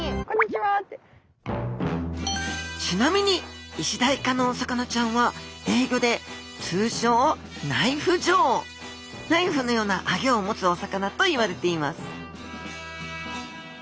ちなみにイシダイ科のお魚ちゃんは英語で通称「Ｋｎｉｆｅｊａｗ」。ナイフのようなあギョを持つお魚といわれています